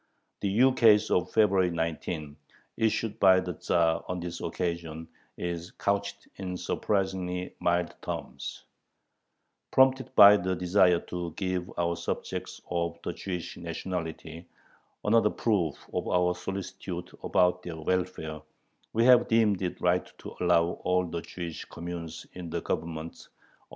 The ukase of February 19, issued by the Tzar on this occasion, is couched in surprisingly mild terms: Prompted by the desire to give our subjects of the Jewish nationality another proof of our solicitude about their welfare, we have deemed it right to allow all the Jewish communes in the Governments